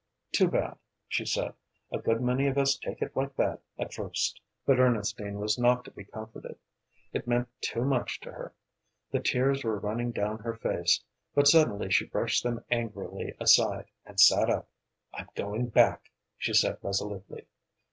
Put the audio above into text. "Too bad," she said; "a good many of us take it like that at first." But Ernestine was not to be comforted. It meant too much to her. The tears were running down her face, but suddenly she brushed them angrily aside, and sat up. "I'm going back," she said resolutely.